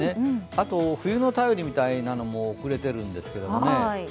あと冬の便りみたいなのも遅れているんですけどね。